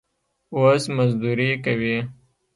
اوس مزدوري کوي.